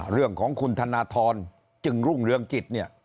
เรื่องของคุณธนทรจึงรุ่งเรืองจิต